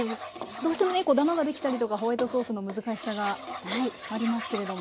どうしてもねこうダマができたりとかホワイトソースの難しさがありますけれども。